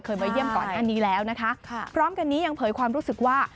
มาเยี่ยมก่อนหน้านี้แล้วนะคะพร้อมกันนี้ยังเผยความรู้สึกว่า